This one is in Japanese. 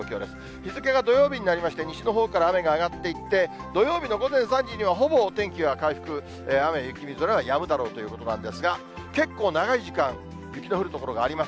日付が土曜日になりまして、西のほうから雨が上がっていって、土曜日の午前３時にはほぼお天気は回復、雨、雪、みぞれはやむだろうということなんですが、結構長い時間、雪の降る所があります。